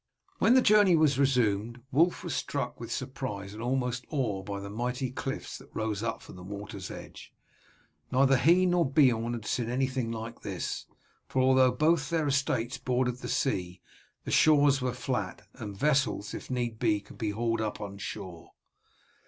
When the journey was resumed Wulf was struck with surprise and almost awe by the mighty cliffs that rose up from the water's edge. Neither he nor Beorn had seen anything like this, for although both their estates bordered the sea, the shores were flat, and vessels, if needs be, could be hauled up on shore.